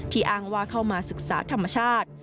อ้างว่าเข้ามาศึกษาธรรมชาติ